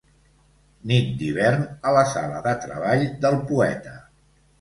Nit d'hivern a la sala de treball del Poeta.